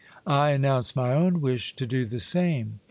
I announced my own wish to do the same.